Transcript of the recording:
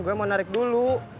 gue mau narik dulu